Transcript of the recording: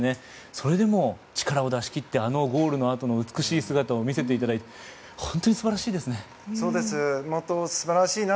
それでも力を出し切ってあのゴールのあとの美しい姿を見せていただいて本当に素晴らしいですね。